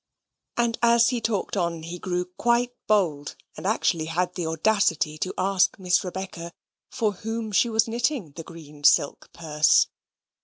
And as he talked on, he grew quite bold, and actually had the audacity to ask Miss Rebecca for whom she was knitting the green silk purse?